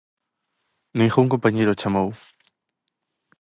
Ningún compañeiro o chamou.